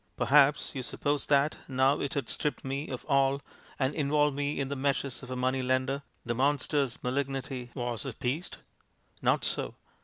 Perhaps you suppose that, now it had stripped me of all and involved me in the meshes of a money lender, the monster's malignity was appeased? Not so!